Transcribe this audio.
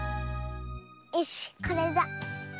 よしこれだ。